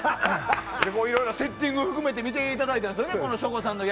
いろいろセッティングを含めてやっていただきましたからね。